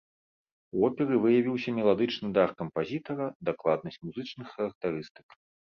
У оперы выявіўся меладычны дар кампазітара, дакладнасць музычных характарыстык.